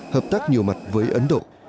hợp tác nhiều mặt với ấn độ